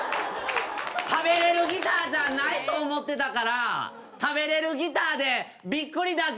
食べれるギターじゃないと思ってたから食べれるギターでびっくりだぜ。